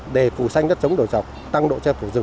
để phù sanh đất dốc